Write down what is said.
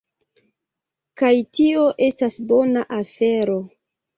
Kaj tio estas bona afero